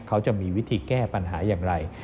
เขาจะมีวิธีแก้ปัญหาอย่างไร